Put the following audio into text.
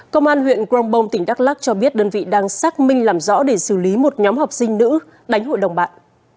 công an huyện grongbong tỉnh đắk lắc cho biết đơn vị đang xác minh làm rõ để xử lý một nhóm học sinh nữ đánh hội đồng bạn